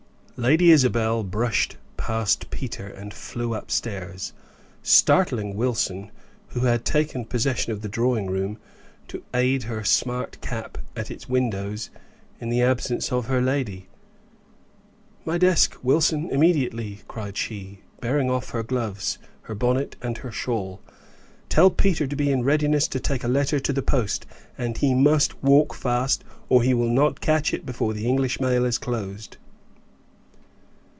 Lady Isabel brushed past Peter, and flew upstairs, startling Wilson, who had taken possession of the drawing room to air her smart cap at its windows in the absence of her lady. "My desk, Wilson, immediately," cried she, tearing off her gloves, her bonnet, and her shawl. "Tell Peter to be in readiness to take a letter to the post; and he must walk fast, or he will not catch it before the English mail is closed."